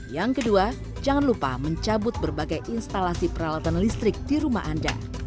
yang kedua jangan lupa mencabut berbagai instalasi peralatan listrik di rumah anda